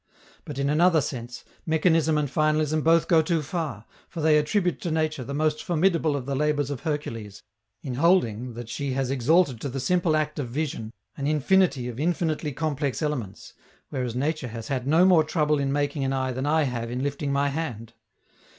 But, in another sense, mechanism and finalism both go too far, for they attribute to Nature the most formidable of the labors of Hercules in holding that she has exalted to the simple act of vision an infinity of infinitely complex elements, whereas Nature has had no more trouble in making an eye than I have in lifting my hand.